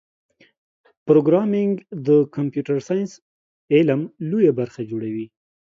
پروګرامېنګ د کمپیوټر ساینس علم لویه برخه جوړوي.